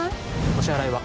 ・お支払いは？